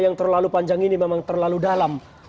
yang terlalu panjang ini memang terlalu dalam